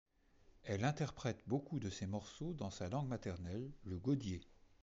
Elle interprète beaucoup de ses morceaux dans sa langue maternelle, le godié.